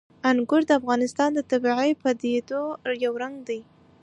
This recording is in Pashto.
انګور د افغانستان د طبیعي پدیدو یو رنګ دی.